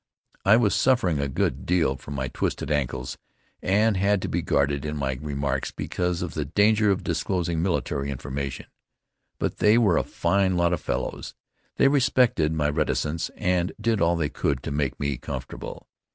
I was suffering a good deal from my twisted ankles and had to be guarded in my remarks because of the danger of disclosing military information; but they were a fine lot of fellows. They respected my reticence, and did all they could to make me comfortable.